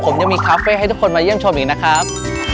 ผมยังมีคาเฟ่ให้ทุกคนมาเยี่ยมชมอีกนะครับ